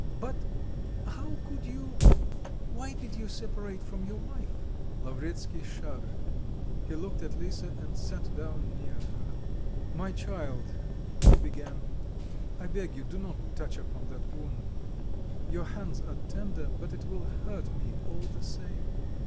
but how could you... why did you separate from your wife?" Lavretsky shuddered: he looked at Lisa, and sat down near her. "My child," he began, "I beg you, do not touch upon that wound; your hands are tender, but it will hurt me all the same."